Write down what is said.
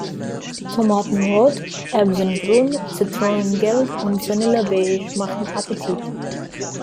Tomatenrot, erbsengrün, zitronengelb und vanillebeige machen Appetit.